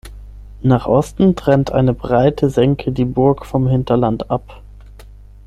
Nach Osten trennt eine breite Senke die Burg vom Hinterland ab.